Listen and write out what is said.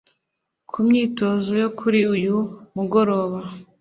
Ku myitozo yo kuri uyu mugoroba